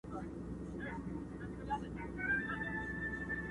• په ورور تور پوري کوې په زړه خیرنه.